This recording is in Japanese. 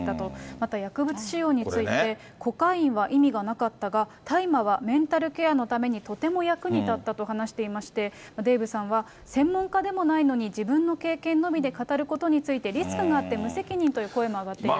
また薬物使用について、コカインは意味がなかったが、大麻はメンタルケアのためにとても役に立ったと話していまして、デーブさんは、専門家でもないのに、自分の経験のみで語ることについて、リスクがあって無責任という声も上がっていると。